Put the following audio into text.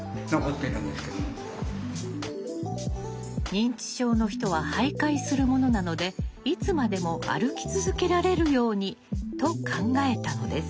「認知症の人は徘徊するものなのでいつまでも歩き続けられるように」と考えたのです。